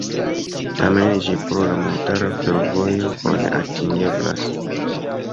Tamen ĝi pro la montara fervojo bone atingeblas.